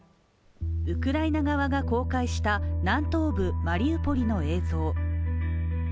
ウクライナ側が公開した南東部マリウポリの映像。